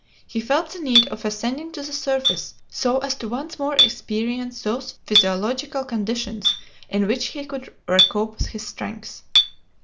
He felt the need of ascending to the surface, so as to once more experience those physiological conditions in which he could recoup his strength.